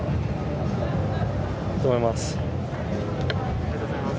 ありがとうございます。